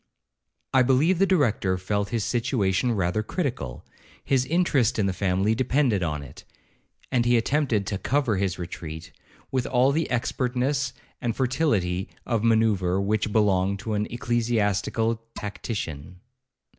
'I believe the Director felt his situation rather critical; his interest in the family depended on it, and he attempted to cover his retreat with all the expertness and fertility of manoeuvre which belong to an ecclesiastical tactician.